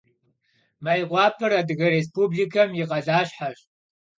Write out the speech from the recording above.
Mêykhuaper Adıge Rêspublikem yi khaleşheş.